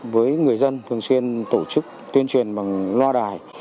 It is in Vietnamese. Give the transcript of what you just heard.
với người dân thường xuyên tổ chức tuyên truyền bằng loa đài